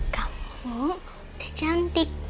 kamu udah cantik